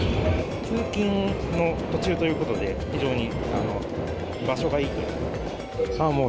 通勤の途中ということで、非常に場所がいいという。